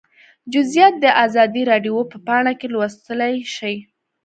جزییات د ازادي راډیو په پاڼه کې لوستلی شئ